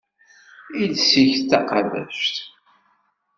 Iles-ik d taqabact.